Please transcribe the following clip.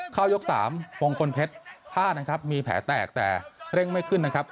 เข้ายก๓มงคลเพชรพลาดนะครับมีแผลแตกแต่เร่งไม่ขึ้นนะครับ